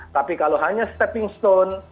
tapi kalau hanya stepping stone